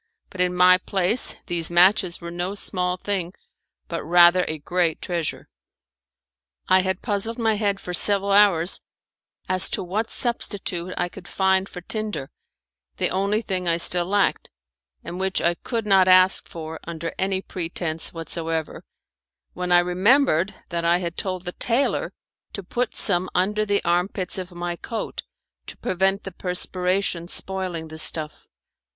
But in my place these matches were no small thing, but rather a great treasure. I had puzzled my head for several hours as to what substitute I could find for tinder the only thing I still lacked, and which I could not ask for under any pretense whatsoever when I remembered that I had told the tailor to put some under the armpits of my coat to prevent the perspiration spoiling the stuff.